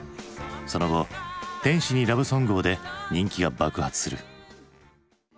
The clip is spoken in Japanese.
その後「天使にラブ・ソングを」で人気が爆発する。